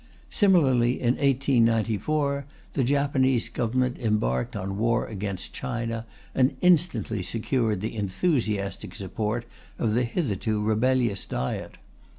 Similarly, in 1894, the Japanese Government embarked on war against China, and instantly secured the enthusiastic support of the hitherto rebellious Diet.